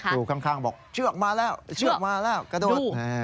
อยู่ข้างบอกเชือกมาแล้วเชือกมาแล้วกระโดด